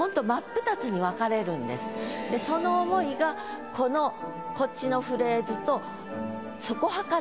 その思いがこのこっちのフレーズと。